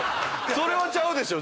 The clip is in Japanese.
それはちゃうでしょ。